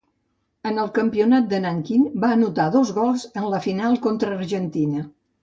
En el campionat de Nanquín va anotar dos gols en la final contra Argentina.